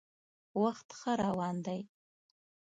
وخت ښه روان دی.